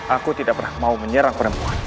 aku tidak pernah mau menyerang perempuan